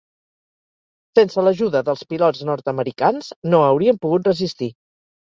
Sense l'ajuda dels pilots nord-americans, no hauríem pogut resistir.